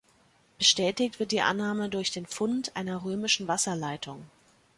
Bestätigt wird die Annahme durch den Fund einer römischen Wasserleitung.